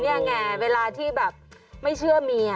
นี่ไงเวลาที่แบบไม่เชื่อเมีย